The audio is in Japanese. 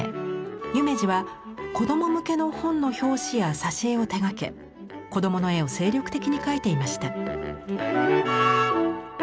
夢二は子供向けの本の表紙や挿絵を手がけ子供の絵を精力的に描いていました。